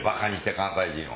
関西人を。